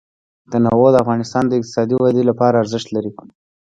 تنوع د افغانستان د اقتصادي ودې لپاره ارزښت لري.